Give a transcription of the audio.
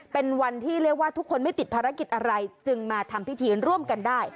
เป็นวันที่เรียกว่าทุกคนไม่ติดภารกิจอะไรจึงมาทำพิธีร่วมกันได้